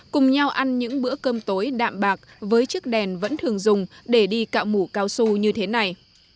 cùng nhau ăn những bữa cơm tối đạm bạc với chiếc đèn vẫn thường dùng để đi cạo mũ cao su như thế này